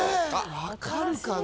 分かるかな？